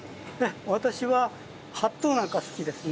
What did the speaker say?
私ははっとなんか好きですね。